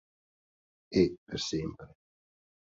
E per sempre.